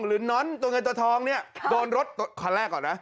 น้อนตัวเงินตัวทองเนี่ยโดนรถคันแรกก่อนนะ